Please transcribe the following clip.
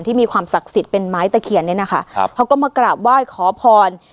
มีความศักดิ์สิทธิ์เป็นไม้ตะเคียนเนี่ยนะคะครับเขาก็มากราบไหว้ขอพร